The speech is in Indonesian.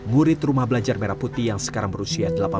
murid rumah belajar merah putih yang sekarang berusaha